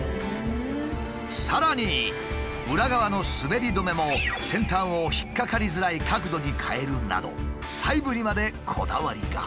さらに裏側の滑り止めも先端を引っ掛かりづらい角度に変えるなど細部にまでこだわりが。